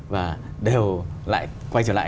và đều lại quay trở lại